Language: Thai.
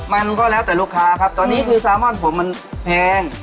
มันก็แล้วแต่ลูกค้าครับตอนนี้คือซามอนผมมันแพง